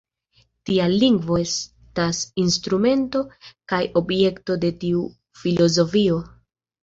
Tial lingvo estas instrumento kaj objekto de tiu filozofio.